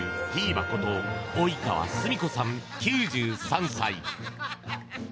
ばこと及川すみ子さん、９３歳。